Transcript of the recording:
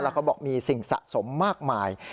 แล้วก็บอกมีสิ่งสะสมมากมาย